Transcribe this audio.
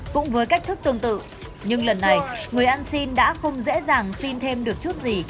cũng với cách thức tương tự nhưng lần này người ăn xin đã không dễ dàng xin thêm được chút gì